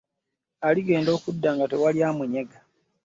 Aligenda okudda nga tewali amunyega.